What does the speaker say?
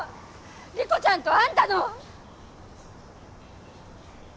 理子ちゃんとあんたの！